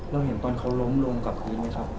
แล้วเห็นตอนเขาล้มลงกลับดีไหมครับ